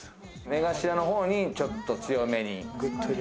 目頭の方にちょっと強めに。